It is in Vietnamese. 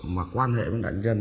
mà quan hệ với nạn nhân